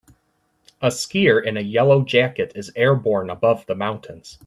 A skier in a yellow jacket is airborne above the mountains.